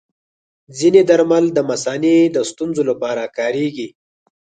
ځینې درمل د مثانې د ستونزو لپاره کارېږي.